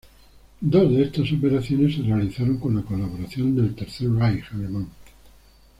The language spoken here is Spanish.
Dos de estas operaciones se realizaron con la colaboración del Tercer Reich alemán.